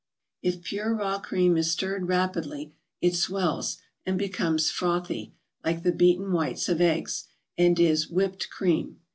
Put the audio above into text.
If pure raw cream is stirred rapidly, it swells and becomes frothy, like the beaten whites of eggs, and is "whipped cream."